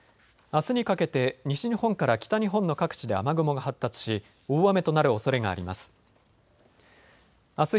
あすにかけて西日本から北日本の各地で雨雲が発達し大雨となるおそれがあります。